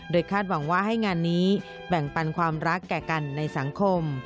คาดหวังว่าให้งานนี้แบ่งปันความรักแก่กันในสังคม